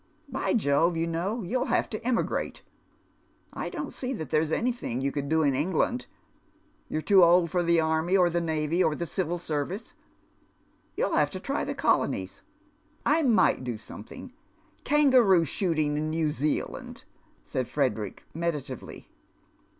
By Jove, you know, you'll have to emigrate. I don't see that there's anything you could do in England. You're too old for the army, or the navy, or the civil service ; you'll have to tiy the colonies." " I might do something, kangaroo shooting in New Zealand," Ba3'8 Frederick, meditatively.